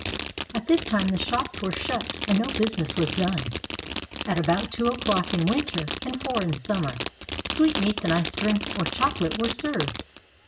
At this time the shops 'were shut, and no business was done. At about two o'clock in winter, and four in summer, sweetmeats and iced drinks or chocolate were served.